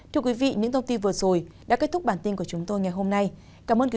thưa quý vị những thông tin vừa rồi đã kết thúc bản tin của chúng tôi ngày hôm nay cảm ơn